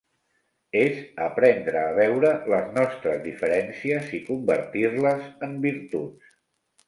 És aprendre a veure les nostres diferències i convertir-les en virtuts.